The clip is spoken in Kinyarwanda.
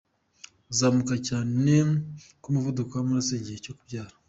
Kuzamuka cyane kw’umuvuduko w’amaraso igihe cyo kubyara.